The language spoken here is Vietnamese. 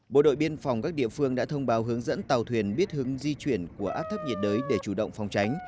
bộ đội biên phòng các địa phương đã thông báo hướng dẫn tàu thuyền biết hướng di chuyển của áp thấp nhiệt đới để chủ động phòng tránh